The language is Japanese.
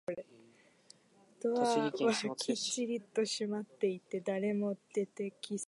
ドアはきっちりと閉まっていて、誰も出てきそうもなかった